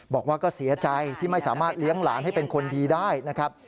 บอกว่าก็เสียใจที่ไม่สามารถเลี้ยงหลานให้เป็นคนดีได้นะครับ